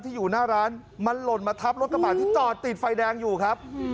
อยู่หน้าร้านมันหล่นมาทับรถกระบาดที่จอดติดไฟแดงอยู่ครับ